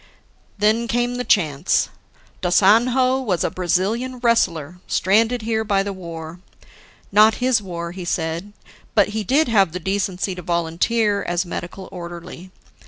"Then came the chance. Da Sanhao was a Brazilian wrestler stranded here by the war. Not his war, he said; but he did have the decency to volunteer as medical orderly.